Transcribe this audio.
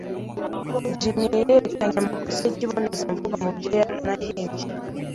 Jim yerekanye amakosa yikibonezamvugo mubyo nahimbye.